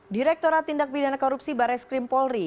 direkturat tindak bidana korupsi barreskrim polri